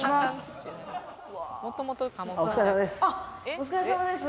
お疲れさまです。